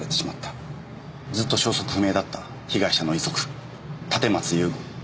ずっと消息不明だった被害者の遺族立松雄吾。